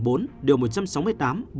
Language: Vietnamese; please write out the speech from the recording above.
bộ luật hình sự